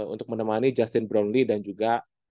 untuk menemani justin brownly dan juga